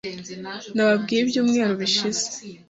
Nababwiye ibyumweru bishize.